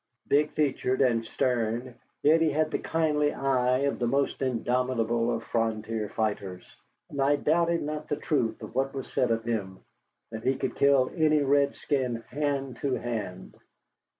Big featured and stern, yet he had the kindly eye of the most indomitable of frontier fighters, and I doubted not the truth of what was said of him that he could kill any redskin hand to hand.